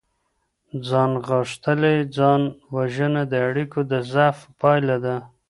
ځان غوښتلې ځان وژنه د اړيکو د ضعف پايله ده.